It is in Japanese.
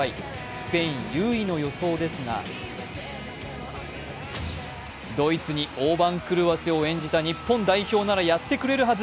スペイン優位の予想ですがドイツに大番狂わせを演じた日本代表ならやってくれるはず。